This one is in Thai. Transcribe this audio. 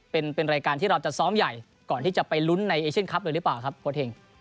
เป็นรายการที่เราจะซ้อมใหญ่ก่อนที่จะไปลุ้นในเอเชียนคลับเลยหรือเปล่าครับโค้ดเห็ง